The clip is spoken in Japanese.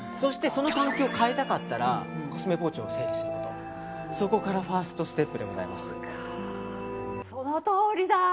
その環境を変えたかったらコスメポーチを整理するそこからファーストステップでございます。